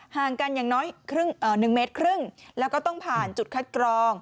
ห่างกันอย่างน้อย๑เมตรครึ่งแล้วก็ต้องผ่านจุดคัดกรอง